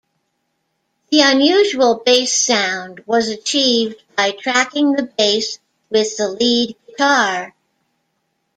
The unusual bass sound was achieved by tracking the bass with the lead guitar.